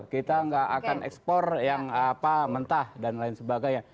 kita nggak akan ekspor yang mentah dan lain sebagainya